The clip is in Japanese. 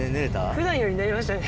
普段より寝れましたね。